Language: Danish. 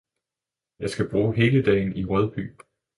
Jeg skal bruge hele dagen i Rødby